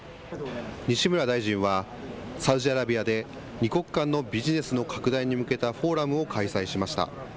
西村大臣は、サウジアラビアで２国間のビジネスの拡大に向けたフォーラムを開催しました。